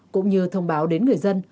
cũng như thông báo đến người dân